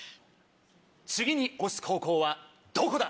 次に押す高校はどこだ！